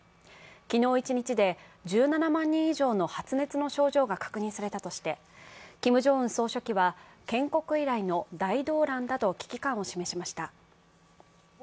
昨日一日で１７万人以上の発熱の症状が確認されたとして、キム・ジョンウン総書記は建国以来の大動乱だと危機感を示しました。